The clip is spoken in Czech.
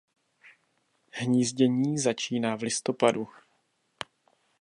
Hnízdění začíná v listopadu.